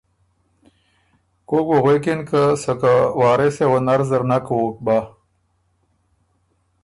کوک بُو غوېکِن که سکه وارثه وه نر زر نک ووک بۀ،